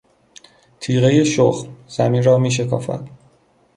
تیغهی شخم، زمین را میشکافد.